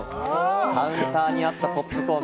カウンターにあったポップコーン！